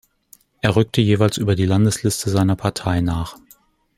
Er rückte jeweils über die Landesliste seiner Partei nach.